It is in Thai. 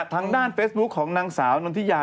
ทางด้านเฟซบุ๊คของนางสาวนนทิยา